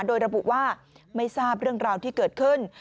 โดยระบุว่าไม่ทราบเรื่องราวที่เกิดขึ้น